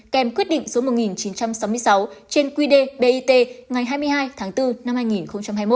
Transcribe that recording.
kèm quyết định số một nghìn chín trăm sáu mươi sáu trên quy đề bit ngày hai mươi hai tháng bốn năm hai nghìn hai mươi một